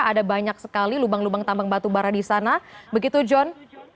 ada banyak sekali lubang lubang tambang batubara di sana begitu john